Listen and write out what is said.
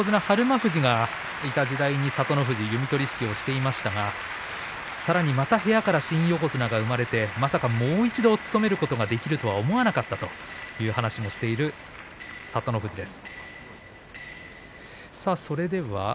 富士がいた時代に聡ノ富士、弓取式をしていましたがさらにまた部屋から新横綱が生まれて、まさかもう一度務めることができるとは思わなかったという話をしている聡ノ富士です。